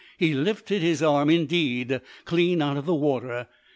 He lifted his arm, indeed, clean out of the water.